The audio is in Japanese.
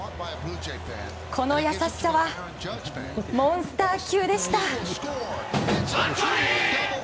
この優しさはモンスター級でした。